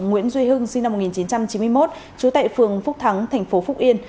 nguyễn duy hưng sinh năm một nghìn chín trăm chín mươi một trú tại phường phúc thắng thành phố phúc yên